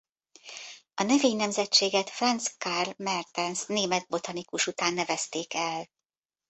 A növénynemzetséget Franz Carl Mertens német botanikus után nevezték el.